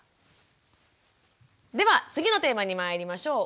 では次のテーマにまいりましょう。